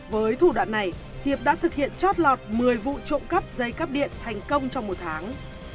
với thủ đoạn này hiệp đã thực hiện chót lọt một mươi vụ trộm cắp dây cắp điện thành công trong một tháng